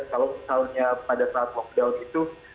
karena pada saat lockdown itu